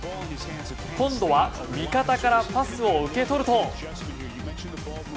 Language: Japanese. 今度は味方からパスを受け取ると。